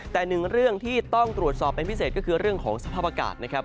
แต่หนึ่งเรื่องที่ต้องตรวจสอบเป็นพิเศษก็คือเรื่องของสภาพอากาศนะครับ